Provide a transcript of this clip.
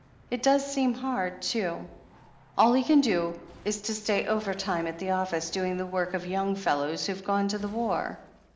It does seem hard, too. All he can do is to stay overtime at the office, doing the work of young fellows who've gone to the war.